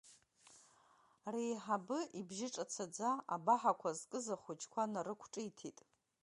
Реиҳабы ибжьы ҿацаӡа абаҳақәа зкыз ахәыҷқәа нарықәҿиҭит…